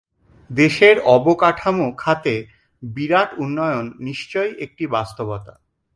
দেশের অবকাঠামো খাতে বিরাট উন্নয়ন নিশ্চয় একটি বাস্তবতা।